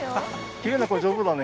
きれいな子上手だね。